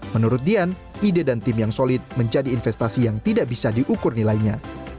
menurut dian ide dan tim yang solid menjadi investasi yang tidak bisa diukur nilainya